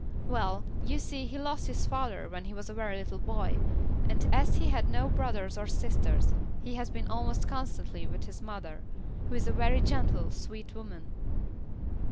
"Well, you see he lost his father when he was a very little boy, and as he had no brothers or sisters, he has been almost constantly with his mother, who is a very gentle, sweet woman."